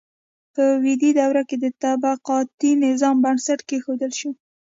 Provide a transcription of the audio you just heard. په ویدي دوره کې د طبقاتي نظام بنسټ کیښودل شو.